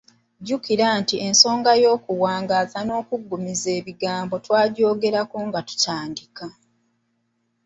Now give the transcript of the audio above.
Jjukira nti ensonga y’okuwangaaza ebigambo n’okubiggumiza twagyogerako nga tutandika.